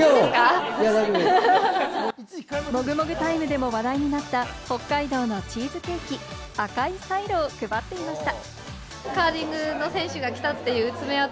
もぐもぐタイムでも話題になった北海道のチーズケーキ・赤いサイロを配っていました。